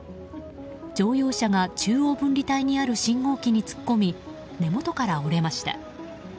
乗用車が、中央分離帯にある信号機に突っ込み根元から折れました。